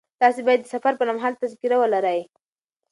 تاسي باید د سفر پر مهال تذکره ولرئ.